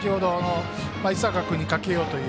井坂君にかけようという。